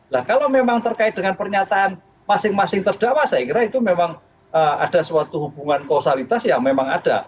nah kalau memang terkait dengan pernyataan masing masing terdakwa saya kira itu memang ada suatu hubungan kosalitas ya memang ada